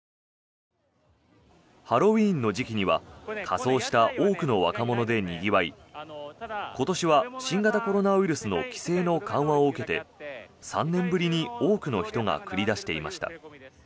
ハロウィーンの時期には仮装した多くの若者でにぎわい今年は新型コロナウイルスの規制の緩和を受けて３年ぶりに多くの人が繰り出していました。